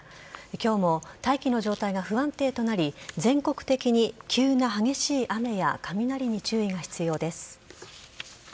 今日も大気の状態が不安定となり全国的に、急な激しい雨や雷に注意が必要です。